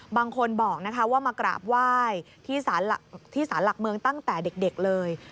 บางคนบอกว่ามากราบไหว้ที่สารหลักเมืองตั้งแต่เด็กเลย